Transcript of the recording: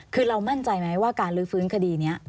คือเรามั่นใจไหมว่าการลื้อฟื้นคดีนี้